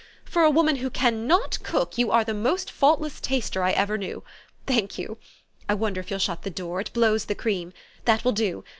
For a woman who can not cook, you are the most faultless taster I ever knew. Thank you. I wonder if you'll shut the door it blows the cream. That will do.